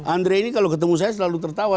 andre ini kalau ketemu saya selalu tertawa